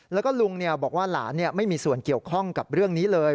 แล้วก็ลุงบอกว่าหลานไม่มีส่วนเกี่ยวข้องกับเรื่องนี้เลย